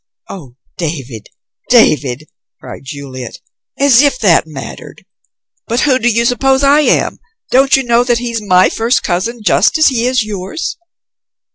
"Oh, David, David," cried Juliet; "as if that mattered! But who do you suppose I am don't you know that he's my first cousin just as he is yours?"